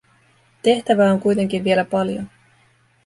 Tehtävää on kuitenkin vielä paljon.